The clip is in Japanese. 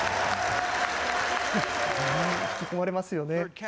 引き込まれますよね。